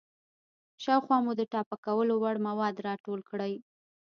شاوخوا مو د ټاپه کولو وړ مواد راټول کړئ.